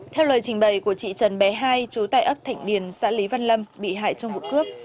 theo lời trình bày của chị trần bé hai chú tại ấp thạnh điền xã lý văn lâm bị hại trong vụ cướp